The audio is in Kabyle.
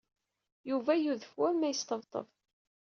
Yuba yudef war ma yesṭebṭeb.